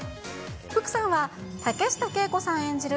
福さんは竹下景子さん演じる